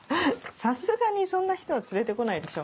さすがにそんな人は連れてこないでしょ。